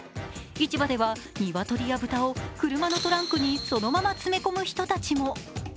市場では、鶏や豚を車のトランクにそのまま詰め込む人たちも。